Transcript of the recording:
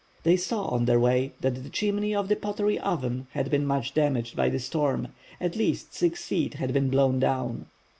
They saw on their way that the chimney of the pottery oven had been much damaged by the storm; at least six feet had been blown down.